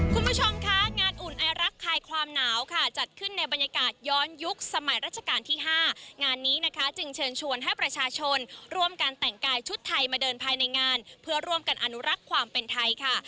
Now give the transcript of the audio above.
คุณผู้ชมคะงานอุ่นไอรักคายความหนาวค่ะจัดขึ้นในบรรยากาศย้อนยุคสมัยราชการที่๕งานนี้นะคะจึงเชิญชวนให้ประชาชนร่วมการแต่งกายชุดไทยมาเดินภายในงานเพื่อร่วมกันอนุรักษ์ความเป็นไทยค่ะ